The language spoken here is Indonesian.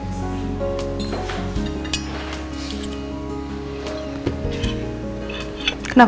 terima kasih banyak